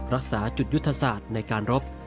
รักษาจุดยุทธศาสตร์ในการรบ